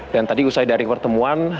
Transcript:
dan tadi usai dari pertemuan